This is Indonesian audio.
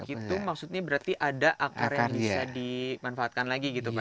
tumbuh keki itu maksudnya berarti ada akar yang bisa dimanfaatkan lagi gitu pak ya